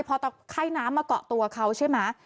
พอไข้น้ำมาเกาะตัวเขาใช่ไหม